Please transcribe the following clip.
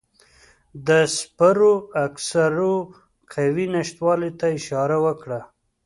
ده د سپرو عسکرو قوې نشتوالي ته اشاره وکړه.